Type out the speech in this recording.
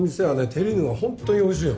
テリーヌがホントにおいしいの。